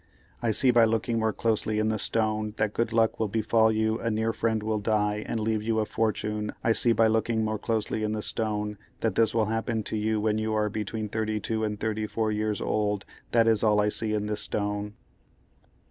"I see by looking more closely in the stone that good luck will befall you a near friend will die and leave you a fortune I see by looking more closely in the stone that this will happen to you when you are between 32 and 34 years old that is all I see in this stone."